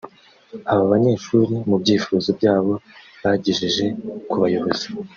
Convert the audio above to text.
Aba banyeshuri mu byifuzo byabo bagejeje ku bayobozi